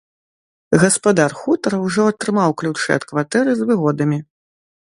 Гаспадар хутара ўжо атрымаў ключы ад кватэры з выгодамі.